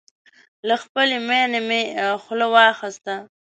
له خپلې ماينې مې خوله واخيسته